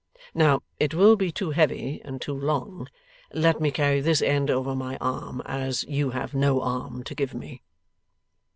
Now, it will be too heavy and too long. Let me carry this end over my arm, as you have no arm to give me.